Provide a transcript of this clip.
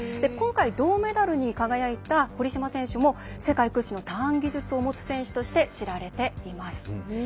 今回、銅メダルに輝いた堀島選手も世界屈指のターン技術を持つ選手として知られています。